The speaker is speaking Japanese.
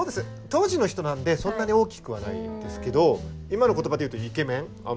当時の人なんでそんなに大きくはないですけど今の言葉で言うとイケメン？